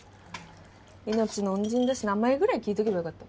命の恩人だし名前ぐらい聞いとけばよかった。